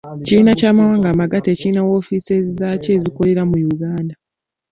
Ekibiina ky'amawanga amagatte kirina woofiises zaakyo ezikolera mu Uganda.